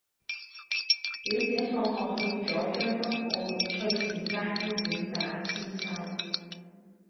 表姐放學去左將軍澳翠善街公園打韆鞦